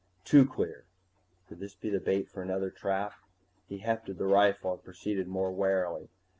Too clear! Could this be bait for another trap? He hefted the rifle and proceeded more warily.